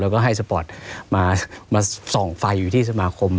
แล้วก็ให้สปอร์ตมาส่องไฟอยู่ที่สมาคม